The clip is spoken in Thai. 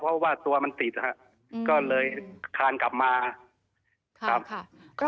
เพราะว่าตัวมันติดครับก็เลยคานกลับมาครับ